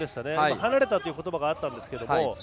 離れたという言葉があったんですが